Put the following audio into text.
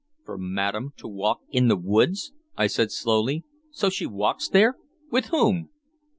"For madam to walk in the woods?" I said slowly. "So she walks there? With whom?"